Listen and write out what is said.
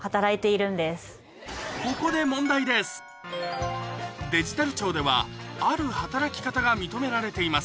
ここでデジタル庁ではある働き方が認められています